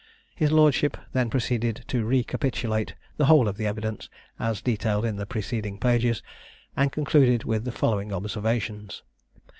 His Lordship then proceeded to recapitulate the whole of the evidence, as detailed in the preceding pages, and concluded with the following observations.